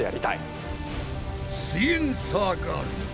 すイエんサーガールズ！